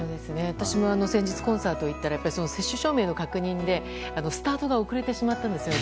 私も先日コンサート行ったら接種証明の確認でスタートが遅れてしまったんですよ。